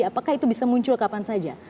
apakah itu bisa muncul kapan saja